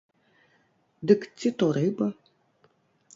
Дык ці то рыба?